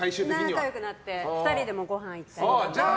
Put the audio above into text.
仲良くなって２人でごはん行ったりとか。